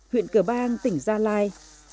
huyện cửa bang tỉnh gia lai